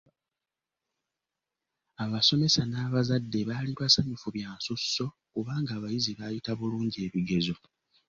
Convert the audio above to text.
Abasomesa n'abazadde baali basanyufu bya nsusso kubanga abayizi baayita bulungi ebigezo.